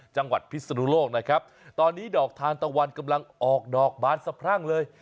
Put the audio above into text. พิศนุโลกนะครับตอนนี้ดอกทานตะวันกำลังออกดอกบานสะพรั่งเลย